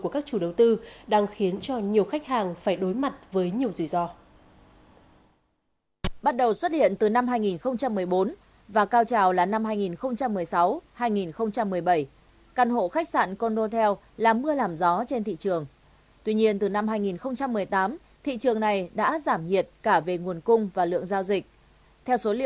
cái việc đúng tiến độ này thì nó sẽ dẫn theo